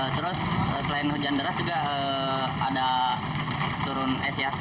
terus selain hujan deras juga ada turun es ya